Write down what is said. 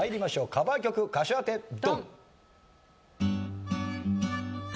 カバー曲歌手当てドン！